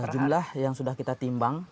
jumlah yang sudah kita timbang